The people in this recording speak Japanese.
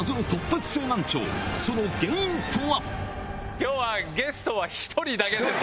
今日はゲストは１人だけです。